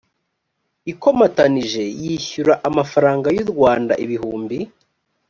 ikomatanije yishyura amafaranga y urwanda ibihumbi